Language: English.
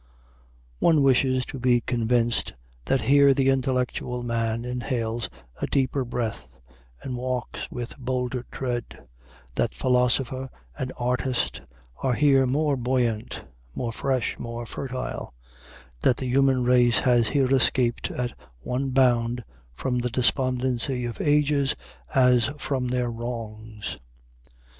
One wishes to be convinced that here the intellectual man inhales a deeper breath, and walks with bolder tread; that philosopher and artist are here more buoyant, more fresh, more fertile; that the human race has here escaped at one bound from the despondency of ages, as from their wrongs.